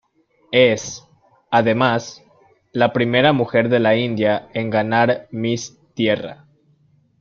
Es, además, la primera mujer de la India en ganar Miss Tierra.